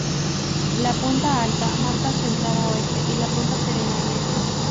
La punta Alta marca su entrada oeste y la punta Serena en este.